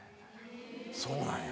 そうなんや。